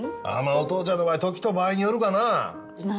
お父ちゃんの場合時と場合によるかな何？